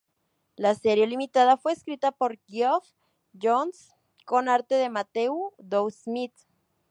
La serie limitada fue escrita por Geoff Johns, con arte de Matthew Dow Smith.